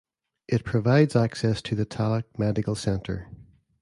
It provides access to the Tallaght Medical Centre.